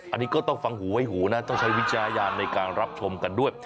อันนี้ก็ต้องฟังหูไว้หูนะต้องใช้วิจารณญาณในการรับชมกันด้วย